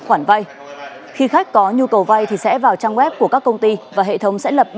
khoản vay khi khách có nhu cầu vay thì sẽ vào trang web của các công ty và hệ thống sẽ lập